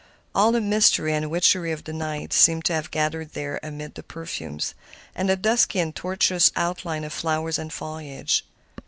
All the mystery and witchery of the night seemed to have gathered there amid the perfumes and the dusky and tortuous outlines of flowers and foliage.